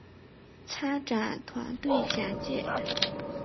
参展团队简介